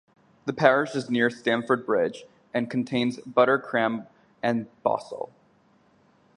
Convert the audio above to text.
The parish is near Stamford Bridge, and contains Buttercrambe and Bossall.